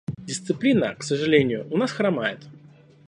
Дисциплина, к сожалению, у нас хромает.